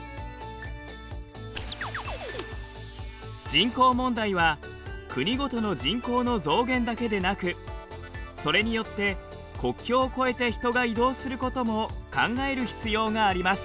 人口問題は国ごとの人口の増減だけでなくそれによって国境を越えて人が移動することも考える必要があります。